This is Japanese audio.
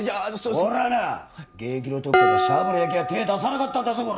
俺はな現役の時からシャブにだけは手出さなかったんだぞこら！